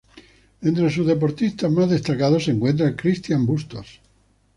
Entre sus deportistas más destacados se encuentra Cristián Bustos.